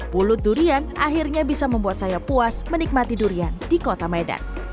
pulut durian akhirnya bisa membuat saya puas menikmati durian di kota medan